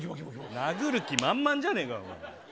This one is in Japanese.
殴る気満々じゃねぇか。